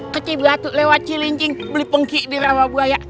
kecil batuk lewat cilincing beli pengki di rawa buaya